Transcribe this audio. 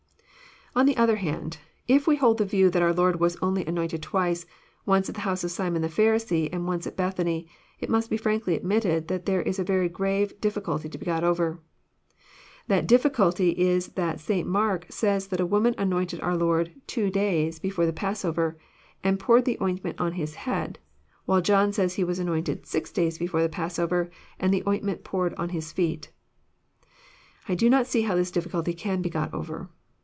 On the other hand, if we hold the view that oar Lord was only anointed twice, once at the house of Simon the Pharisee, and once at Bethany, it must be frankly admitted that there is a very grave difficulty to begot over. That difficulty is that St. Mark says that a woman anointed our Lord two days " before the Passover, and poured the ointment on His '^head while John says He was anointed " six days before the passover,*' and the ointment poured on His feet."— I do not see how this difficulty can be got over.